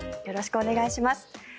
よろしくお願いします。